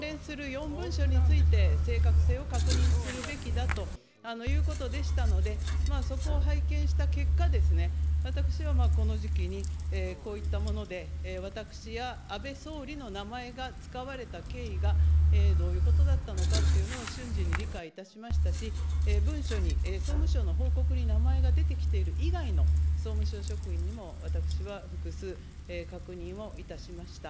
４文書について正確性を確認するべきだということでしたので、そこを拝見した結果ですね、私はこの時期にこういったもので私や安倍総理の名前が使われた経緯がどういうことだったのかというのを、瞬時に理解いたしましたし、文書に総務省の報告に名前が出てきている以外の総務省職員にも私は複数、確認をいたしました。